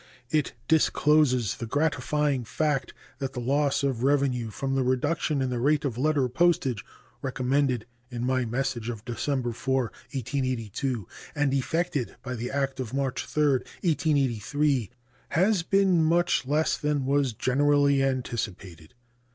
It discloses the gratifying fact that the loss of revenue from the reduction in the rate of letter postage recommended in my message of December 4, 1882, and effected by the act of March 3, 1883, has been much less than was generally anticipated.